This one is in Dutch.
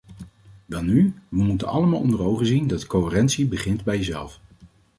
Welnu, we moeten allemaal onder ogen zien dat coherentie begint bij jezelf.